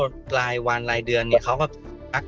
สุดท้ายก็ไม่มีทางเลือกที่ไม่มีทางเลือก